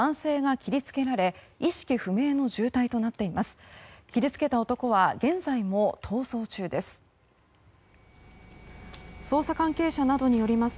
切り付けた男は現在も逃走中です。